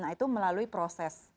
nah itu melalui proses